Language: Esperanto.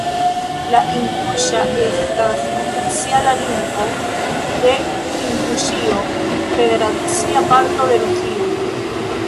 La inguŝa estas oficiala lingvo de Inguŝio, federacia parto de Rusio.